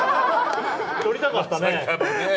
取りたかったね。